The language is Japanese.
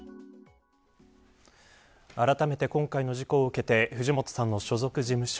改めて今回の事故を受けて藤本さんの所属事務所